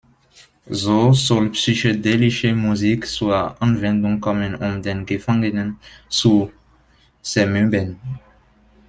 So soll psychedelische Musik zur Anwendung kommen, um den Gefangenen zu zermürben.